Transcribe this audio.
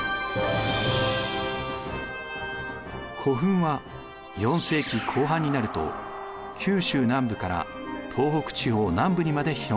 古墳は４世紀後半になると九州南部から東北地方南部にまで広がっていきます。